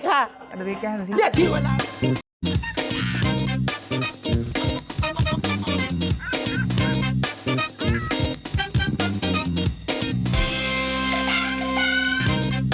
อะไรนะ